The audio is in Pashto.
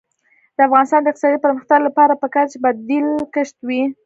د افغانستان د اقتصادي پرمختګ لپاره پکار ده چې بدیل کښت وي.